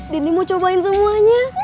dini mau cobain semuanya